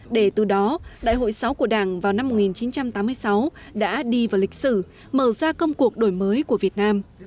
để từ đó đại hội sáu của đảng vào năm một nghìn chín trăm tám mươi sáu đã đi vào lịch sử mở ra công cuộc đổi mới của việt nam